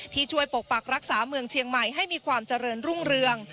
ที่ช่วยปกปักรักษาเมืองเชียงใหม่ให้มีความเจริญรุ่งเรือง